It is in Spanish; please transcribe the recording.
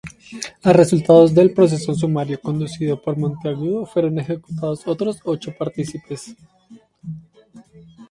A resultas del proceso sumario conducido por Monteagudo fueron ejecutados otros ocho partícipes.